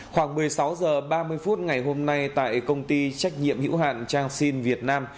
khoảng một mươi sáu h ba mươi phút ngày hôm nay tại công ty trách nhiệm hữu hạn chang sinh việt nam